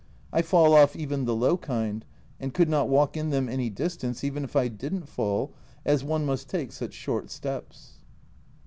I fall off even the low kind, and could not walk in them any distance, even if I didn't fall, as one must take such short steps.